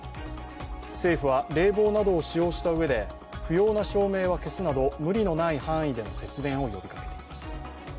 政府は冷房などを使用したうえで不要な照明は消すなど無理のない範囲での節電を呼びかけています。